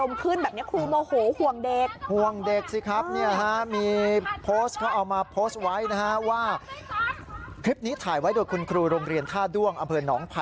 มันไม่ใช่ค่ะ